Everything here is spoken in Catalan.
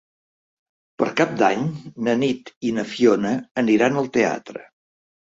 Per Cap d'Any na Nit i na Fiona aniran al teatre.